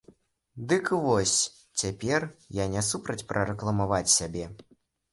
Дык вось, цяпер я не супраць парэкламаваць сябе.